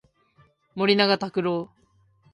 森永卓郎